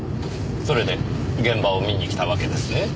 それで現場を見に来たわけですね？